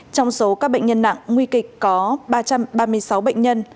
trong số các bệnh nhân nặng nguy kịch có ba trăm ba mươi sáu bệnh nhân